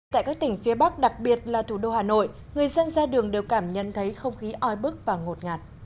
tại các tỉnh phía bắc đặc biệt là thủ đô hà nội người dân ra đường đều cảm nhận thấy không khí oi bức và ngột ngạt